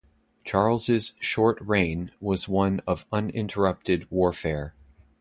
Charles's short reign was one of uninterrupted warfare.